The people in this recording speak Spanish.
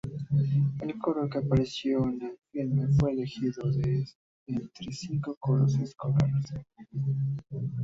El coro que apareció en el filme fue elegido de entre cinco coros escolares.